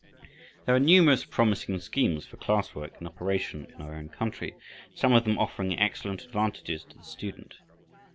There are numerous promising schemes for class work in operation in our own country, some of them offering excellent advantages to the student.